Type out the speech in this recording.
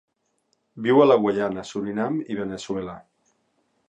Viu a la Guaiana, Surinam i Veneçuela.